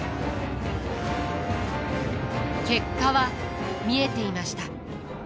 結果は見えていました。